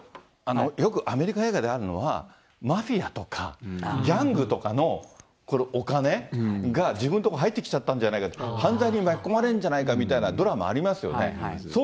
よくアメリカ映画であるのは、マフィアとか、ギャングとかのお金が自分のところに入ってきちゃったんじゃないか、犯罪に巻き込まれるんじゃないかみたいなドラマありますよね。